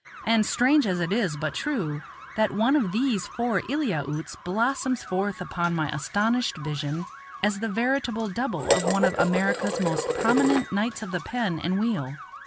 And, strange it is, but true, that one of these four Eliautes blossoms forth upon my astonished vision as the veritable double of one of America's most prominent knights of the pen and wheel.